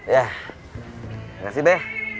ya terima kasih be